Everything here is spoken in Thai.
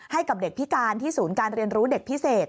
ให้กับเด็กพิการที่ศูนย์การเรียนรู้เด็กพิเศษ